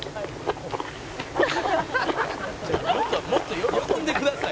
「もっと喜んでください」